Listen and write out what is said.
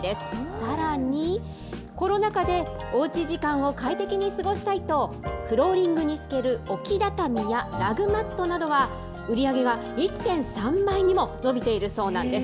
さらに、コロナ禍で、おうち時間を快適に過ごしたいと、フローリングに敷ける置き畳やラグマットなどは、売り上げが１．３倍にも伸びているそうなんです。